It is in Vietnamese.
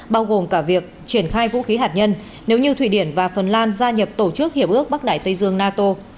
bao gồm cả việc triển khai vũ khí hạt nhân nếu như thụy điển và phần lan gia nhập tổ chức hiệp ước bắc đại tây dương nato